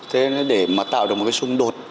thế để mà tạo được một cái xung đột